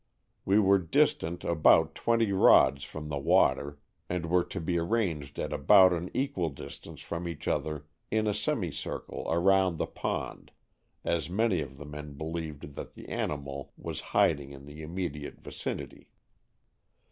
We were distant about twenty rods from the water, and were to be arranged at about an equal distance from each other in a semicircle around the pond, as many of the men believed that the animal was hiding in the imme diate vicinity.